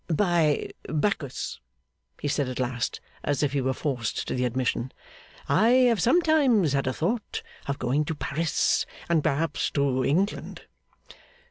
'By Bacchus!' he said at last, as if he were forced to the admission, 'I have sometimes had a thought of going to Paris, and perhaps to England.